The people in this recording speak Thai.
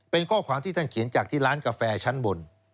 เป็นข้อความที่ท่านเขียนจากที่ร้านกาแฟชั้นบน